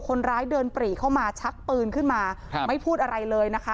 คนร้ายเดินปรีเข้ามาชักปืนขึ้นมาไม่พูดอะไรเลยนะคะ